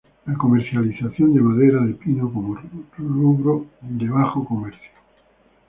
La comercialización de madera de pino como rubro de bajo comercio.